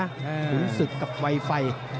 ขุนศึกกับไวไฟ